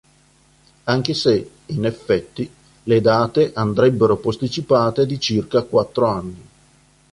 Anche se, in effetti, le date andrebbero posticipate di circa quattro anni.